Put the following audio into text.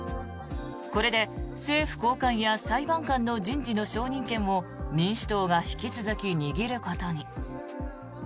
これで政府高官や裁判官の人事の承認権を民主党が引き続き握ることに。